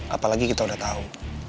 apalagi kita udah tau